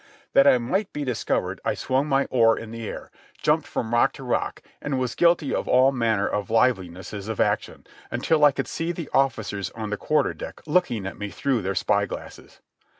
That I might be discovered, I swung my oar in the air, jumped from rock to rock, and was guilty of all manner of livelinesses of action, until I could see the officers on the quarter deck looking at me through their spyglasses.